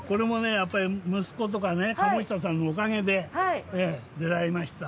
やっぱり息子とか鴨下さんのおかげで出られました。